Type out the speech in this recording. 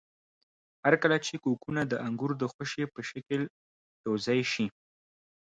هرکله چې کوکونه د انګور د خوشې په شکل یوځای شي.